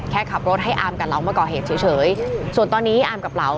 แค่ขับรถให้อามกับเรามาก่อเหตุเฉยส่วนตอนนี้อามกับเหลา